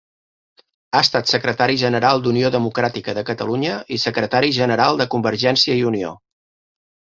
Ha estat Secretari General d'Unió Democràtica de Catalunya i Secretari General de Convergència i Unió.